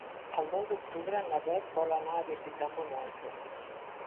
El nou d'octubre na Bet vol anar a visitar mon oncle.